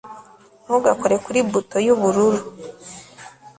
ntugakore kuri buto y'ubururu